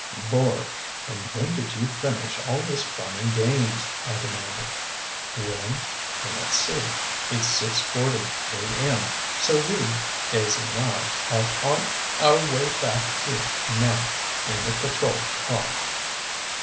"Lord! And when did you finish all this fun and games?" I demanded. "When? Let's see. It's 6:40 A.M. So we Daisy and I are on our way back here now. In the patrol car."